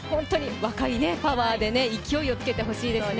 若いパワーで勢いをつけてほしいですね。